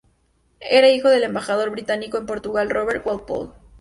Era hijo del embajador británico en Portugal Robert Walpole.